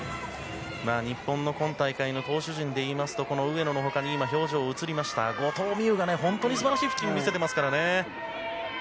日本の今大会の投手陣でいいますと上野の他に後藤希友が本当に素晴らしいピッチングを見せていますからね。